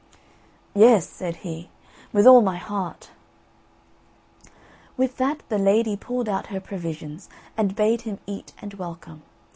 "Yes," said he, "with all my heart." With that the lady pulled out her provisions, and bade him eat and welcome.